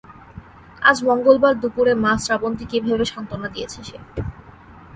আজ মঙ্গলবার দুপুরে মা শ্রাবন্তীকে এভাবে সান্ত্বনা দিয়েছে সে।